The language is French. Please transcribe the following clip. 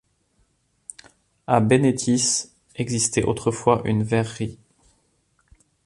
À Benetice, existait autrefois une verrerie.